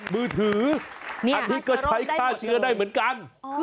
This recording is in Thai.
มือถืออันนี้ก็ใช้ฆ่าเชื้อได้เหมือนกัน